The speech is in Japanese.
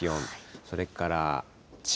それから千葉、